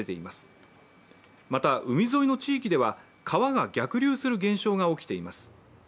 また、海沿いの地域では川が逆流する現象が起きています。